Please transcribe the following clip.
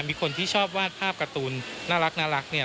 มีคนที่ชอบวาดภาพการ์ตูนน่ารัก